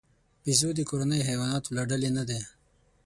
بیزو د کورنیو حیواناتو له ډلې نه دی.